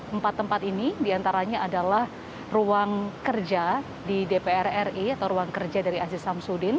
empat tempat ini diantaranya adalah ruang kerja di dpr ri atau ruang kerja dari aziz samsudin